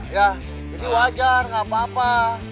ya ini wajar gak apa apa